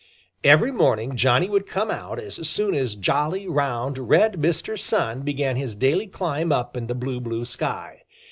Every morning Johnny would come out as soon as jolly, round, red Mr. Sun began his daily climb up in the blue, blue sky.